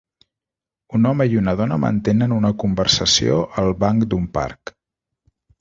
Un home i una dona mantenen una conversació al banc d'un parc.